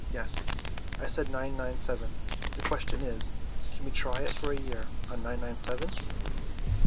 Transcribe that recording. yes, I said nine nine seven; the question is, can we try it for a year on nine nine seven?"